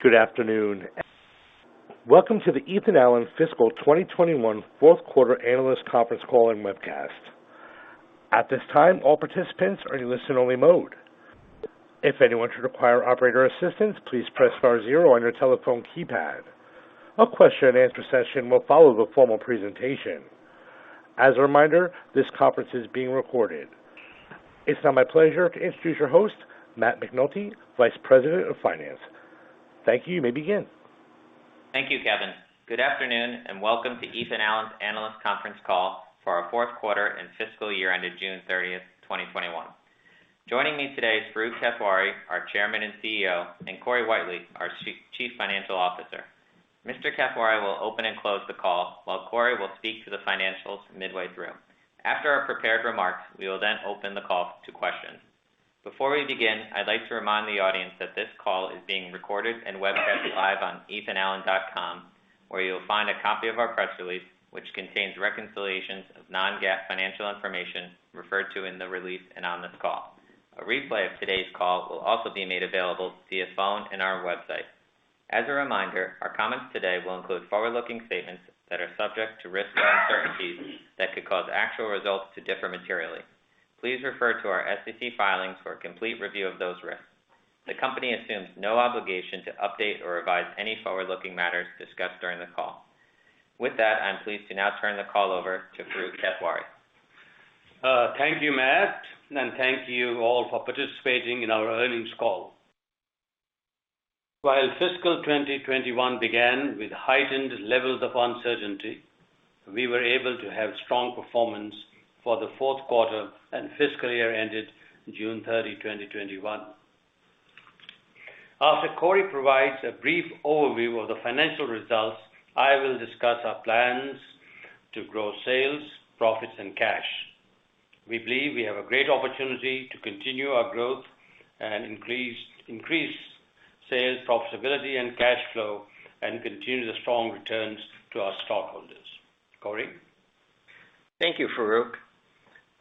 Good afternoon. Welcome to the Ethan Allen fiscal 2021 fourth quarter analyst conference call and webcast. At this time, all participants are in listen-only mode. If anyone should require operator assistance, please press star zero on your telephone keypad. A question and answer session will follow the formal presentation. As a reminder, this conference is being recorded. It is now my pleasure to introduce your host, Matt McNulty, Vice President of Finance. Thank you. You may begin. Thank you, Kevin. Good afternoon, and welcome to Ethan Allen's analyst conference call for our fourth quarter and fiscal year ended June 30th, 2021. Joining me today is Farooq Kathwari, our Chairman and CEO, and Corey Whitely, our Chief Financial Officer. Mr. Kathwari will open and close the call, while Corey will speak to the financials midway through. After our prepared remarks, we will then open the call to questions. Before we begin, I'd like to remind the audience that this call is being recorded and webcast live on ethanallen.com, where you'll find a copy of our press release, which contains reconciliations of non-GAAP financial information referred to in the release and on this call. A replay of today's call will also be made available via phone and our website. As a reminder, our comments today will include forward-looking statements that are subject to risks and uncertainties that could cause actual results to differ materially. Please refer to our SEC filings for a complete review of those risks. The company assumes no obligation to update or revise any forward-looking matters discussed during the call. With that, I'm pleased to now turn the call over to Farooq Kathwari. Thank you, Matt, and thank you all for participating in our earnings call. While fiscal 2021 began with heightened levels of uncertainty, we were able to have strong performance for the fourth quarter and fiscal year ended June 30, 2021. After Corey provides a brief overview of the financial results, I will discuss our plans to grow sales, profits, and cash. We believe we have a great opportunity to continue our growth and increase sales profitability and cash flow, and continue the strong returns to our stockholders. Corey? Thank you, Farooq.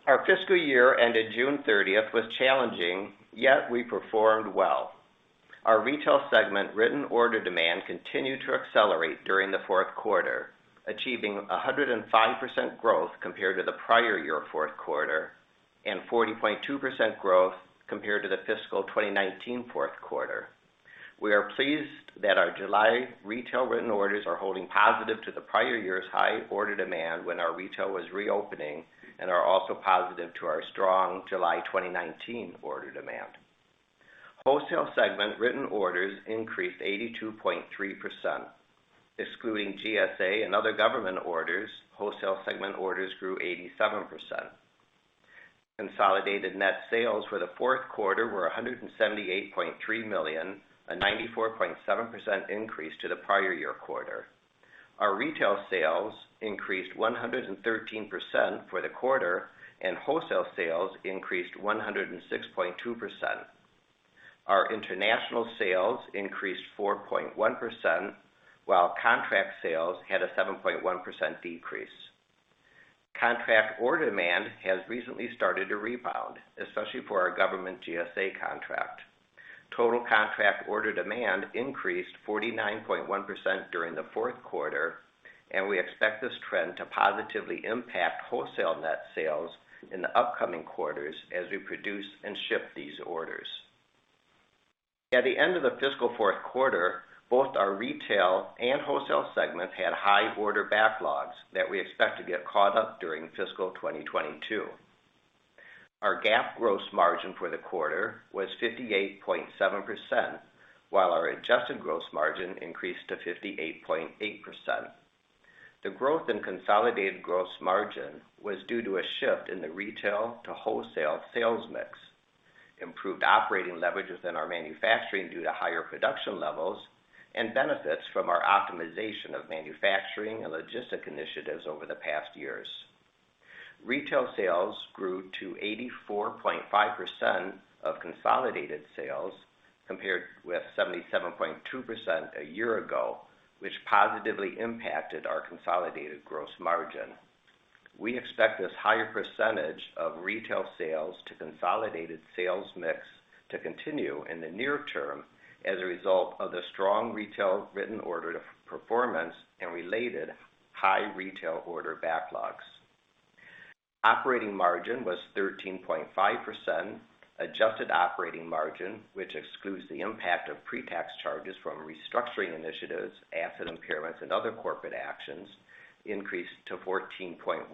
Our fiscal year ended June 30th, was challenging, yet we performed well. Our retail segment written order demand continued to accelerate during the fourth quarter, achieving 105% growth compared to the prior year fourth quarter, and 40.2% growth compared to the fiscal 2019 fourth quarter. We are pleased that our July retail written orders are holding positive to the prior year's high order demand when our retail was reopening, and are also positive to our strong July 2019 order demand. Wholesale segment written orders increased 82.3%. Excluding GSA and other government orders, wholesale segment orders grew 87%. Consolidated net sales for the fourth quarter were $178.3 million, a 94.7% increase to the prior year quarter. Our retail sales increased 113% for the quarter. Wholesale sales increased 106.2%. Our international sales increased 4.1%, while contract sales had a 7.1% decrease. Contract order demand has recently started to rebound, especially for our government GSA contract. Total contract order demand increased 49.1% during the fourth quarter, and we expect this trend to positively impact wholesale net sales in the upcoming quarters as we produce and ship these orders. At the end of the fiscal fourth quarter, both our retail and wholesale segments had high order backlogs that we expect to get caught up during fiscal 2022. Our GAAP gross margin for the quarter was 58.7%, while our adjusted gross margin increased to 58.8%. The growth in consolidated gross margin was due to a shift in the retail to wholesale sales mix, improved operating leverage within our manufacturing due to higher production levels, and benefits from our optimization of manufacturing and logistic initiatives over the past years. Retail sales grew to 84.5% of consolidated sales, compared with 77.2% a year ago, which positively impacted our consolidated gross margin. We expect this higher percentage of retail sales to consolidated sales mix to continue in the near term as a result of the strong retail written order performance and related high retail order backlogs. Operating margin was 13.5%. Adjusted operating margin, which excludes the impact of pre-tax charges from restructuring initiatives, asset impairments, and other corporate actions, increased to 14.1%,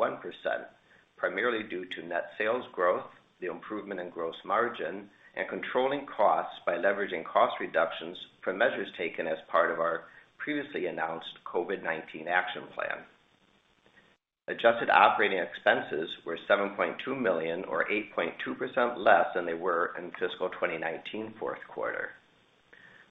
primarily due to net sales growth, the improvement in gross margin, and controlling costs by leveraging cost reductions from measures taken as part of our previously announced COVID-19 action plan. Adjusted operating expenses were $7.2 million, or 8.2% less than they were in fiscal 2019 fourth quarter.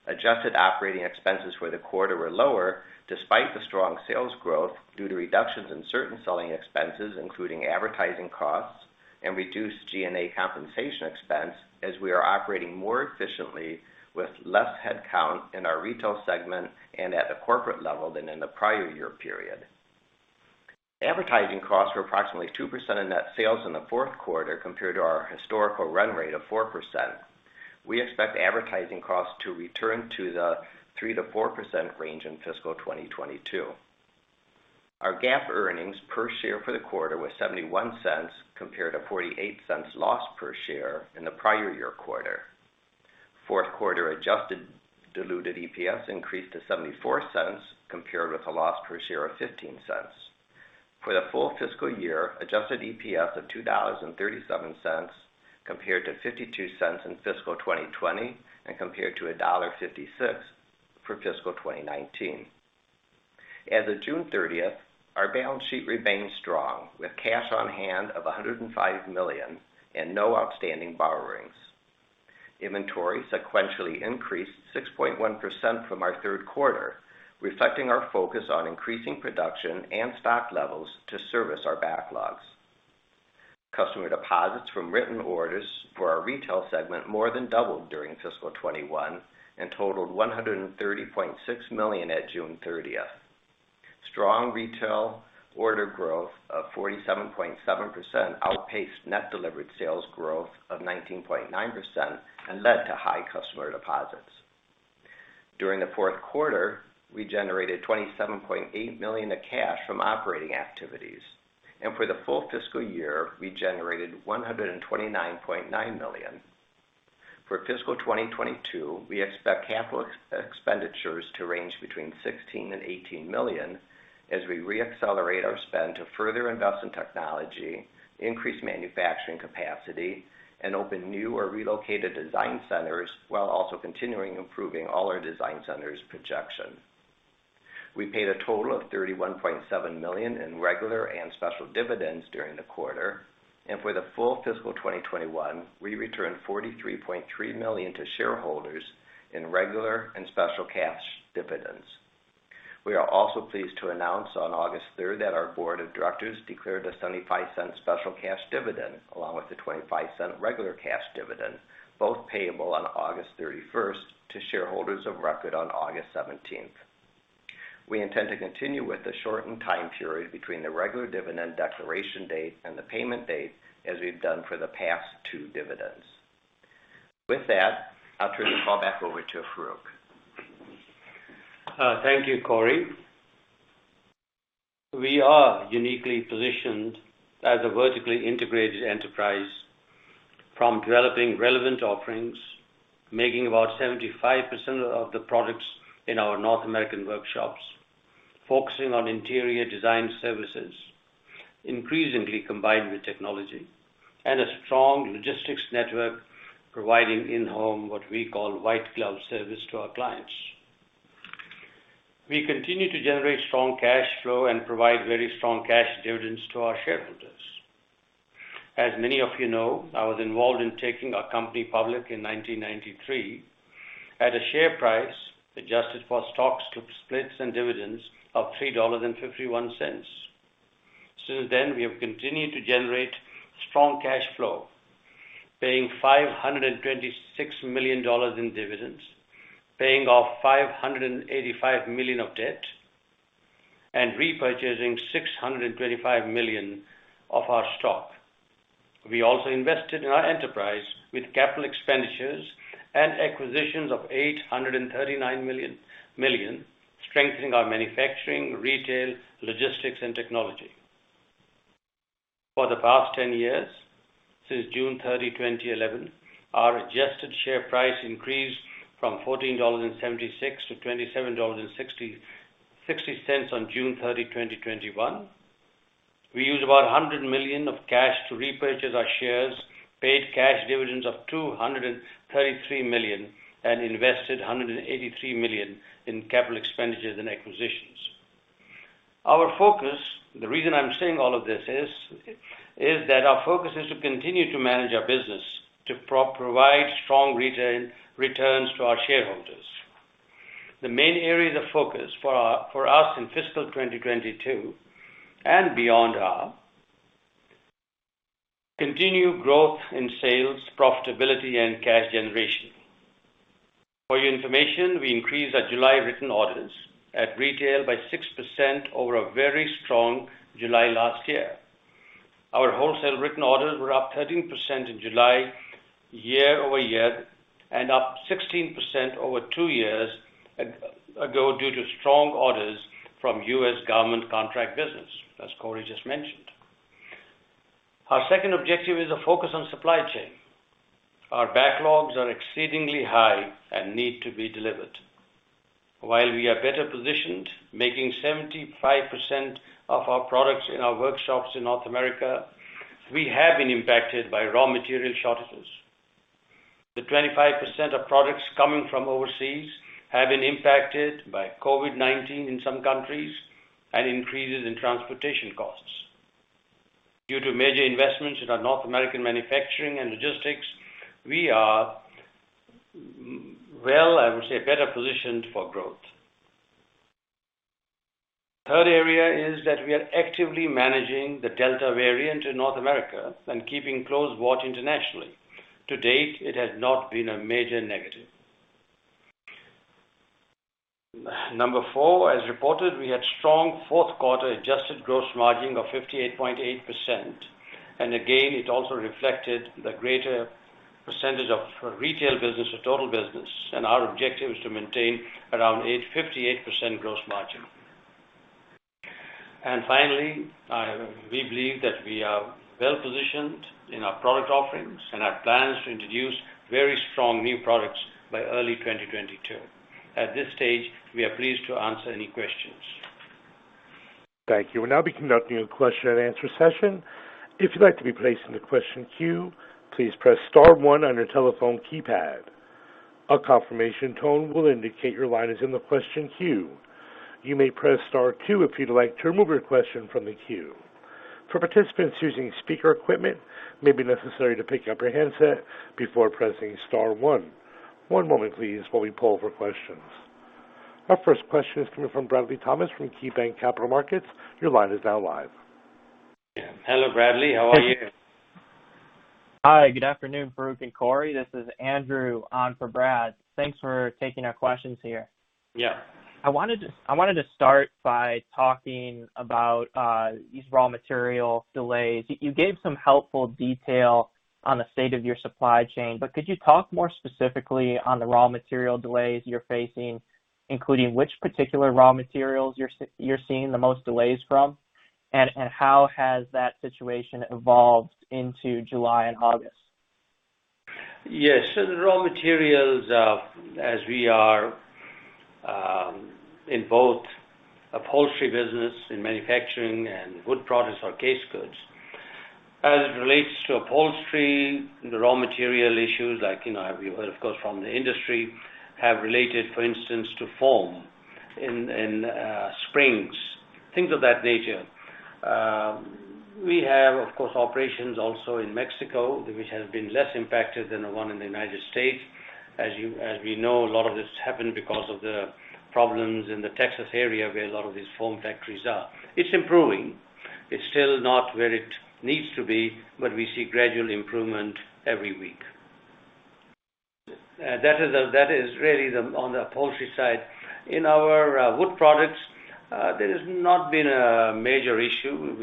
Adjusted operating expenses for the quarter were lower despite the strong sales growth due to reductions in certain selling expenses, including advertising costs and reduced G&A compensation expense as we are operating more efficiently with less headcount in our retail segment and at the corporate level than in the prior year period. Advertising costs were approximately 2% of net sales in the fourth quarter, compared to our historical run rate of 4%. We expect advertising costs to return to the 3%-4% range in fiscal 2022. Our GAAP earnings per share for the quarter was $0.71 compared to $0.48 loss per share in the prior year quarter. Fourth quarter adjusted diluted EPS increased to $0.74, compared with a loss per share of $0.15. For the full fiscal year, adjusted EPS of $2.37 compared to $0.52 in fiscal 2020, and compared to $1.56 for fiscal 2019. As of June 30th, our balance sheet remains strong, with cash on hand of $105 million and no outstanding borrowings. Inventory sequentially increased 6.1% from our third quarter, reflecting our focus on increasing production and stock levels to service our backlogs. Customer deposits from written orders for our retail segment more than doubled during fiscal 2021 and totaled $130.6 million at June 30th. Strong retail order growth of 47.7% outpaced net delivered sales growth of 19.9% and led to high customer deposits. During the fourth quarter, we generated $27.8 million of cash from operating activities. For the full fiscal year, we generated $129.9 million. For fiscal 2022, we expect capital expenditures to range between $16 million and $18 million as we re-accelerate our spend to further invest in technology, increase manufacturing capacity, and open new or relocated design centers, while also continuing improving all our design centers' projection. We paid a total of $31.7 million in regular and special dividends during the quarter. For the full fiscal 2021, we returned $43.3 million to shareholders in regular and special cash dividends. We are also pleased to announce on August 3rd, that our board of directors declared a $0.75 special cash dividend, along with a $0.25 regular cash dividend, both payable on August 31st to shareholders of record on August 17th. We intend to continue with the shortened time period between the regular dividend declaration date and the payment date, as we've done for the past two dividends. With that, I'll turn the call back over to Farooq. Thank you, Corey. We are uniquely positioned as a vertically integrated enterprise, from developing relevant offerings, making about 75% of the products in our North American workshops, focusing on interior design services, increasingly combined with technology and a strong logistics network, providing in-home, what we call white glove service to our clients. We continue to generate strong cash flow and provide very strong cash dividends to our shareholders. As many of you know, I was involved in taking our company public in 1993 at a share price adjusted for stock splits and dividends of $3.51. Since then, we have continued to generate strong cash flow, paying $526 million in dividends, paying off $585 million of debt, and repurchasing $625 million of our stock. We also invested in our enterprise with capital expenditures and acquisitions of $839 million, strengthening our manufacturing, retail, logistics, and technology. For the past 10 years, since June 30, 2011, our adjusted share price increased from $14.76 to $27.60 on June 30, 2021. We used about $100 million of cash to repurchase our shares, paid cash dividends of $233 million, and invested $183 million in capital expenditures and acquisitions. The reason I'm saying all of this is that our focus is to continue to manage our business to provide strong returns to our shareholders. The main areas of focus for us in fiscal 2022 and beyond are continued growth in sales, profitability, and cash generation. For your information, we increased our July written orders at retail by 6% over a very strong July last year. Our wholesale written orders were up 13% in July year-over-year, and up 16% over two years ago due to strong orders from U.S. government contract business, as Corey just mentioned. Our second objective is a focus on supply chain. Our backlogs are exceedingly high and need to be delivered. While we are better positioned, making 75% of our products in our workshops in North America, we have been impacted by raw material shortages. The 25% of products coming from overseas have been impacted by COVID-19 in some countries and increases in transportation costs. Due to major investments in our North American manufacturing and logistics, we are, well, I would say, better positioned for growth. Third area is that we are actively managing the Delta variant in North America and keeping close watch internationally. To date, it has not been a major negative. Number four, as reported, we had strong fourth quarter adjusted gross margin of 58.8%, and again, it also reflected the greater percentage of retail business to total business, and our objective is to maintain around 58% gross margin. Finally, we believe that we are well-positioned in our product offerings and have plans to introduce very strong new products by early 2022. At this stage, we are pleased to answer any questions. Thank you. We'll now be conducting a question-and-answer session. If you'd like to be placed in the question queue, please press star one on your telephone keypad. A confirmation tone will indicate your line is in the question queue. You may press star two if you'd like to remove your question from the queue. For participants using speaker equipment, it may be necessary to pick up your handset before pressing star one. One moment, please while we poll for questions. Our first question is coming from Bradley Thomas from KeyBanc Capital Markets. Your line is now live. Yeah. Hello, Bradley. How are you? Hi, good afternoon, Farooq and Corey. This is Andrew on for Brad. Thanks for taking our questions here. Yeah. I wanted to start by talking about these raw material delays. You gave some helpful detail on the state of your supply chain, but could you talk more specifically on the raw material delays you're facing, including which particular raw materials you're seeing the most delays from? How has that situation evolved into July and August? Yes. The raw materials, as we are in both upholstery business, in manufacturing, and wood products or case goods. As it relates to upholstery, the raw material issues like, you've heard, of course, from the industry, have related, for instance, to foam and springs, things of that nature. We have, of course, operations also in Mexico, which has been less impacted than the one in the U.S. As we know, a lot of this happened because of the problems in the Texas area, where a lot of these foam factories are. It's improving. It's still not where it needs to be, we see gradual improvement every week. That is really on the upholstery side. In our wood products, there has not been a major issue.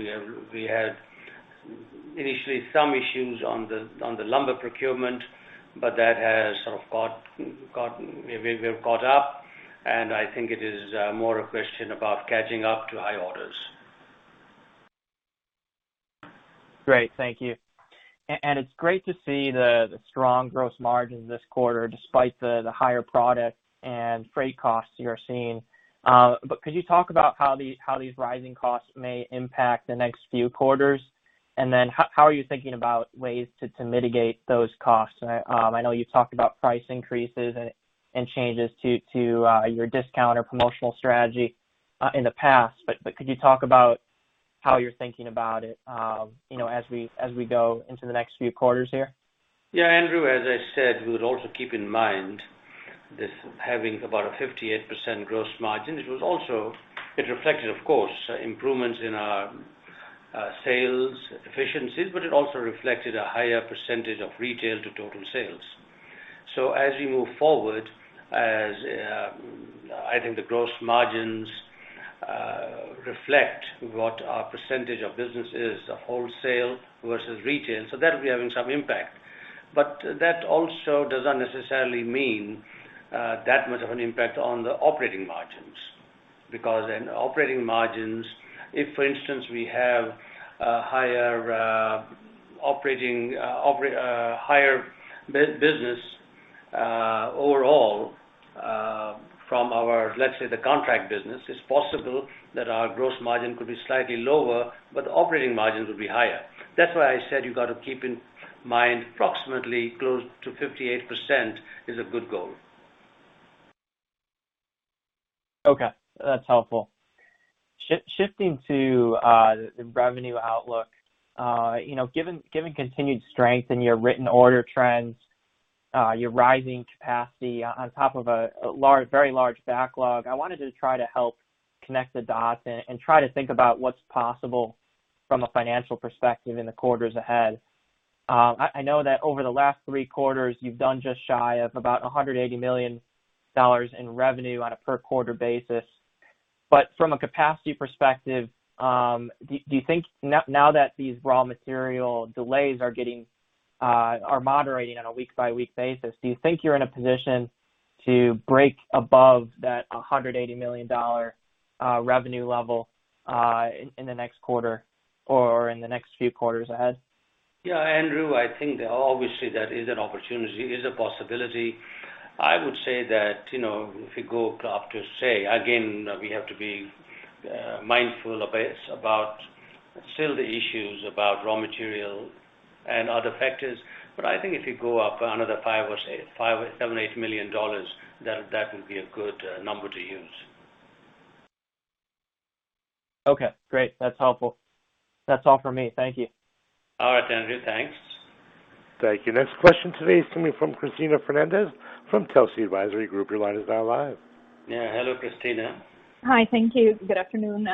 We had initially some issues on the lumber procurement, that has sort of caught up. I think it is more a question about catching up to high orders. Great. Thank you. It's great to see the strong gross margins this quarter, despite the higher product and freight costs you're seeing. Could you talk about how these rising costs may impact the next few quarters? How are you thinking about ways to mitigate those costs? I know you've talked about price increases and changes to your discount or promotional strategy in the past, but could you talk about how you're thinking about it as we go into the next few quarters here? Yeah, Andrew, as I said, we would also keep in mind this having about a 58% gross margin. It reflected, of course, improvements in our sales efficiencies, but it also reflected a higher percentage of retail to total sales. As we move forward, as I think the gross margins reflect what our percentage of business is, the wholesale versus retail, so that will be having some impact. That also doesn't necessarily mean that much of an impact on the operating margins. In operating margins, if, for instance, we have a higher business overall from our, let's say, the contract business, it's possible that our gross margin could be slightly lower, but operating margins will be higher. That's why I said you got to keep in mind, approximately close to 58% is a good goal. Okay. That's helpful. Shifting to the revenue outlook. Given continued strength in your written order trends, your rising capacity on top of a very large backlog, I wanted to try to help connect the dots and try to think about what's possible from a financial perspective in the quarters ahead. I know that over the last three quarters, you've done just shy of about $180 million in revenue on a per quarter basis. From a capacity perspective, do you think now that these raw material delays are moderating on a week-by-week basis, do you think you're in a position to break above that $180 million revenue level in the next quarter or in the next few quarters ahead? Yeah, Andrew, I think obviously that is an opportunity, it's a possibility. I would say that, if you go up to say, again, we have to be mindful about still the issues about raw material and other factors. I think if you go up another $5 million or $7 million, $8 million, that would be a good number to use. Okay, great. That's helpful. That's all for me. Thank you. All right, Andrew. Thanks. Thank you. Next question today is coming from Cristina Fernández from Telsey Advisory Group. Your line is now live. Yeah. Hello, Cristina. Hi. Thank you. Good afternoon.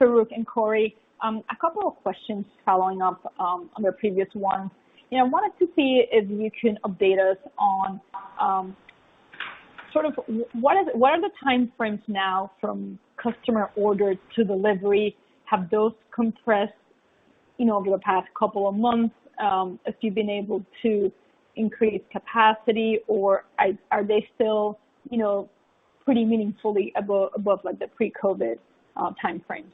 Farooq and Corey, a couple of questions following up on the previous one. I wanted to see if you can update us on what are the time frames now from customer order to delivery? Have those compressed over the past couple of months? If you've been able to increase capacity, or are they still pretty meaningfully above the pre-COVID time frame?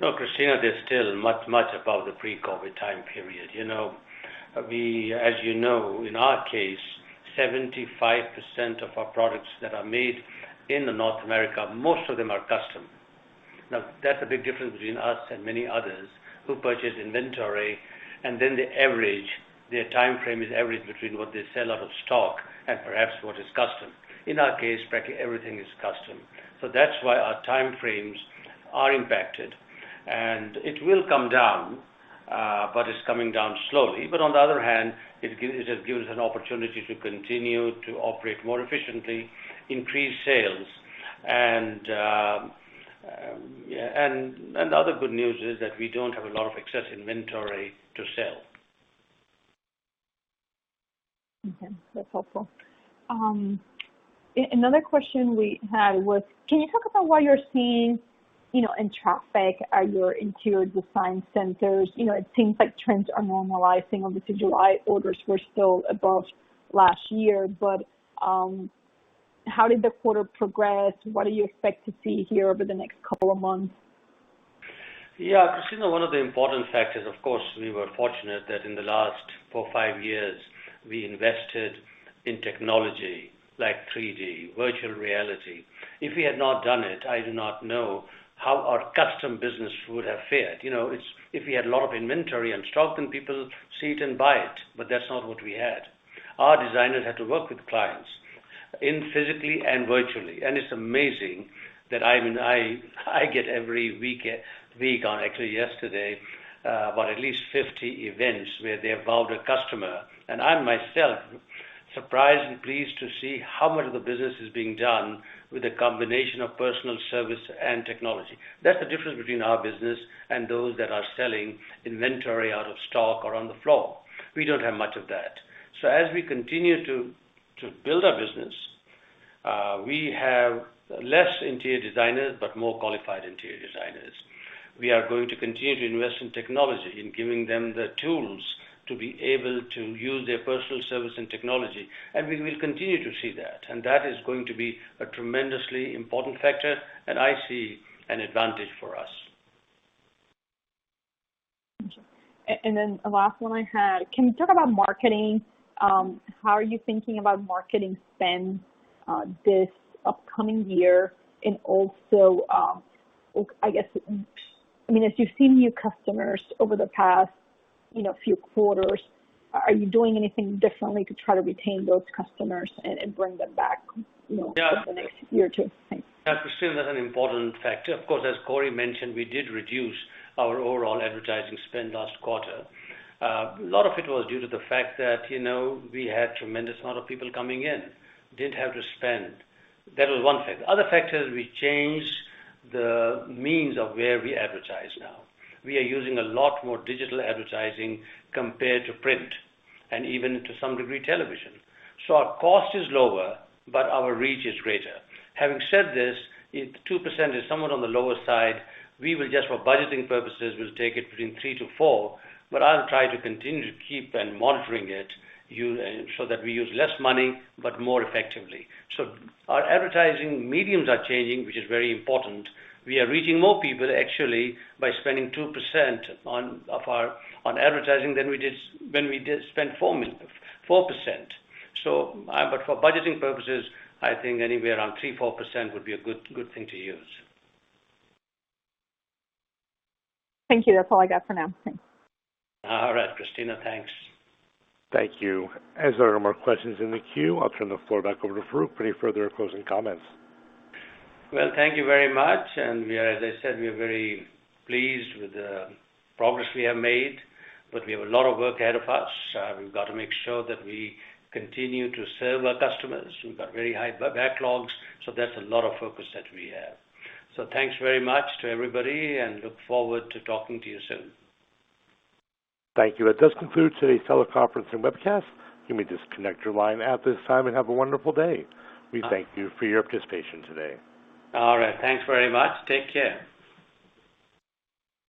No, Cristina, they're still much above the pre-COVID-19 time period. As you know, in our case, 75% of our products that are made in North America, most of them are custom. That's a big difference between us and many others who purchase inventory, and then their time frame is average between what they sell out-of-stock and perhaps what is custom. In our case, practically everything is custom. That's why our time frames are impacted. It will come down, but it's coming down slowly. On the other hand, it has given us an opportunity to continue to operate more efficiently, increase sales, and the other good news is that we don't have a lot of excess inventory to sell. Okay. That's helpful. Another question we had was, can you talk about what you're seeing in traffic at your interior design centers? It seems like trends are normalizing. Obviously, July orders were still above last year, but how did the quarter progress? What do you expect to see here over the next couple of months? Yeah, Cristina, one of the important factors, of course, we were fortunate that in the last four, five years, we invested in technology like 3D, virtual reality. If we had not done it, I do not know how our custom business would have fared. If we had a lot of inventory and stock, then people see it and buy it, but that's not what we had. Our designers had to work with clients in physically and virtually. It's amazing that I get every week, actually yesterday, about at least 50 events where they involved a customer. I'm myself surprised and pleased to see how much of the business is being done with a combination of personal service and technology. That's the difference between our business and those that are selling inventory out of stock or on the floor. We don't have much of that. As we continue to build our business, we have less interior designers, but more qualified interior designers. We are going to continue to invest in technology, in giving them the tools to be able to use their personal service and technology. We will continue to see that. That is going to be a tremendously important factor, and I see an advantage for us. The last one I had, can you talk about marketing? How are you thinking about marketing spend this upcoming year? Also, as you've seen new customers over the past few quarters, are you doing anything differently to try to retain those customers and bring them back over the next year or two? Thanks. Yeah. Cristina, that's an important factor. Of course, as Corey mentioned, we did reduce our overall advertising spend last quarter. A lot of it was due to the fact that we had tremendous amount of people coming in. Didn't have to spend. That was one factor. Other factor is we changed the means of where we advertise now. We are using a lot more digital advertising compared to print, and even to some degree, television. Our cost is lower, but our reach is greater. Having said this, if the 2% is somewhat on the lower side, we will just, for budgeting purposes, will take it between 3%-4%, but I'll try to continue to keep on monitoring it so that we use less money, but more effectively. Our advertising mediums are changing, which is very important. We are reaching more people, actually, by spending 2% on advertising than we did when we did spend 4%. For budgeting purposes, I think anywhere around 3%, 4% would be a good thing to use. Thank you. That's all I got for now. Thanks. All right, Cristina. Thanks. Thank you. As there are no more questions in the queue, I'll turn the floor back over to Farooq for any further closing comments. Well, thank you very much. As I said, we are very pleased with the progress we have made, but we have a lot of work ahead of us. We've got to make sure that we continue to serve our customers. We've got very high backlogs, so that's a lot of focus that we have. Thanks very much to everybody, and look forward to talking to you soon. Thank you. That does conclude today's teleconference and webcast. You may disconnect your line at this time, and have a wonderful day. We thank you for your participation today. All right. Thanks very much. Take care.